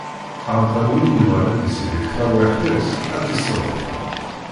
Axaṭer win yebɣan ad isellek taṛwiḥt-is ad tt-isṛuḥ.